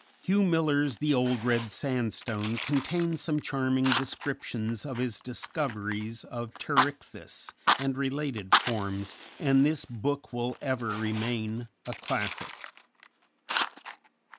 _ _Hugh Miller's "The Old Red Sandstone" contains some charming descriptions of his discoveries of Pterichthys and related forms, and this book will ever remain a classic.